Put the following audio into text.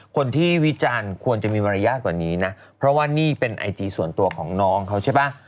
วิจารณ์ควรจะมีมารยาทกว่านี้นะเพราะว่านี่เป็นไอจีส่วนตัวของน้องเขาใช่ป่ะ